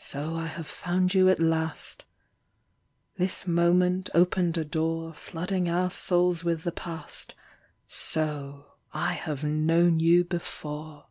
So I have found you at last. This moment opened a door Flooding our souls with the Past : So — I have known you before